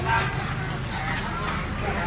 เมื่อ